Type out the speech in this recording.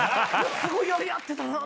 すごいやりやってたなと。